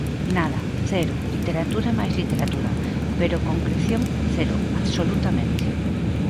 Nada, cero, literatura e máis literatura, pero concreción cero, absolutamente.